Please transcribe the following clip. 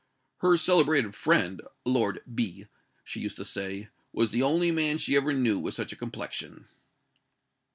Her celebrated friend, Lord B , she used to say, was the only man she ever knew with such a complexion."